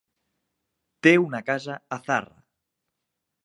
Té una casa a Zarra.